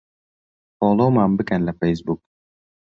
فۆلۆومان بکەن لە فەیسبووک.